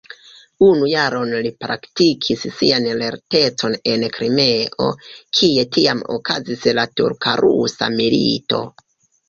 Unu jaron li praktikis sian lertecon en Krimeo, kie tiam okazis la turka-rusa milito.